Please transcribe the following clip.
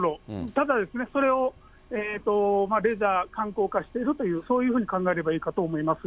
ただですね、これをレジャー、観光化していると、そういうふうに考えればいいかと思います。